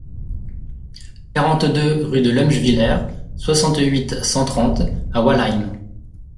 quarante-deux rue de Luemschwiller, soixante-huit, cent trente à Walheim